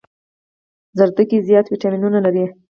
زردکي زيات ويټامينونه لري